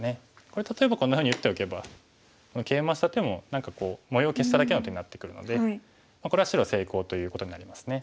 これ例えばこんなふうに打っておけばケイマした手も何か模様を消しただけの手になってくるのでこれは白成功ということになりますね。